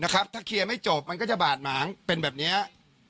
ถ้าเคลียร์ไม่จบมันก็จะบาดหมางเป็นแบบนี้